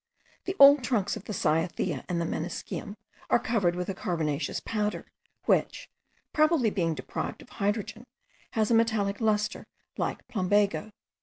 The old trunks of the cyathea and the meniscium are covered with a carbonaceous powder, which, probably being deprived of hydrogen, has a metallic lustre like plumbago.